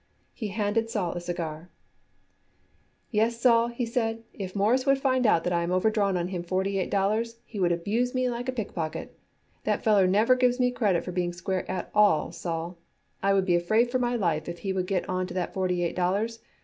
He handed Sol a cigar. "Yes, Sol," he said, "if Mawruss would find it out that I am overdrawn on him forty eight dollars, he would abuse me like a pickpocket. That feller never gives me credit for being square at all, Sol. I would be afraid for my life if he would get on to that forty eight dollars.